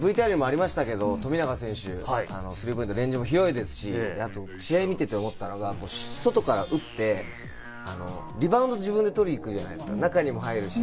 富永選手、スリーポイント、レンジも広いですし、試合を見てて思ったのが外から打って、リバウンドを自分で取りにいくじゃないですか、中にも入るし。